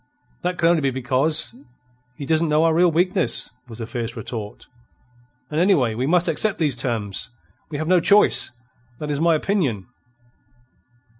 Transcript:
"That can be only because he not know our real weakness," was the fierce retort. "And, anyway, we must accept these terms. We have no choice. That is my opinion."